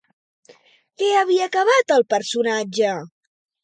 Què havia acabat el personatge?